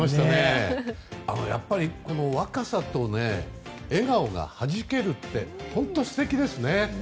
やっぱり、若さと笑顔がはじけるって本当、素敵ですね。